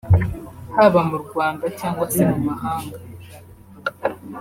haba mu Rwanda cyangwa se mu mahanga